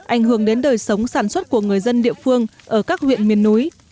ảnh hưởng đến đời sống sản xuất của người dân địa phương ở các huyện miền núi